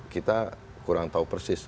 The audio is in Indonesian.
kita kurang tahu persis